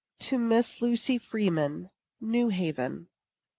TO MISS LUCY FREEMAN. NEW HAVEN.